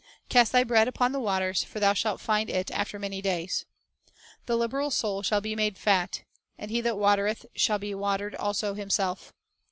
"Cast thy bread upon the waters; for thou shalt find it after many days." "The liberal soul shall be made fat; and he that watereth shall be watered also himself."